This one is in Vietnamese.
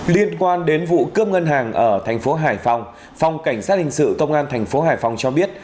liên quan đến vụ cướp ngân hàng ở tp hcm phòng cảnh sát hình sự tông an tp hcm cho biết